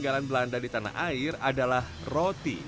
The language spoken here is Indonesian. kalau untuk industri